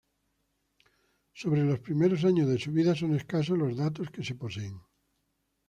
Sobre los primeros años de su vida son escasos los datos que se poseen.